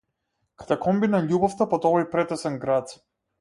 Катакомби на љубовта под овој претесен град.